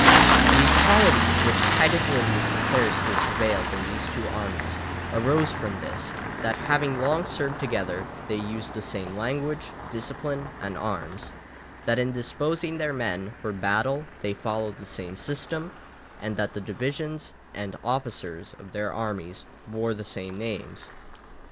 The equality which Titus Livius declares to have prevailed in these two armies, arose from this, that having long served together they used the same language, discipline, and arms; that in disposing their men for battle they followed the same system; and that the divisions and officers of their armies bore the same names.